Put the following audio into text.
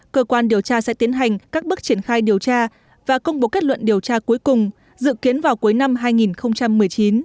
cơ quan điều tra sẽ tiến hành các bước triển khai điều tra và công bố kết luận điều tra cuối cùng dự kiến vào cuối năm hai nghìn một mươi chín